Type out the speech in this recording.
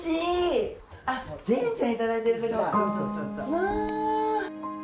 うわ。